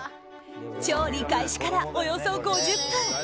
調理開始から、およそ５０分。